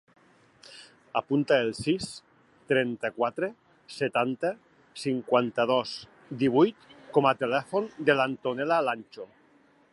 Apunta el sis, trenta-quatre, setanta, cinquanta-dos, divuit com a telèfon de l'Antonella Lancho.